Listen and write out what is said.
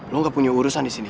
lo gak punya urusan di sini